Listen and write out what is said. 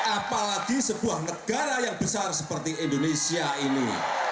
apalagi sebuah negara yang besar seperti indonesia ini